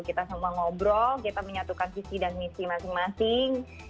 kita semua ngobrol kita menyatukan visi dan misi masing masing